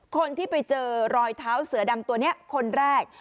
คนที่ไปเจอรอยเท้าเสือดำตัวนี้คนแรก